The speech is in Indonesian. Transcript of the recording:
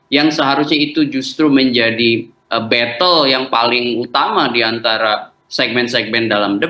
yang seharusnya itu justru menjadi battle yang paling utama diantara segmen segmen dalam debat